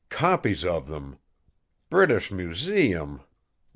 Copies of them! British Museum!